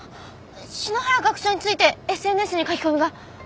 篠原学長についてＳＮＳに書き込みが！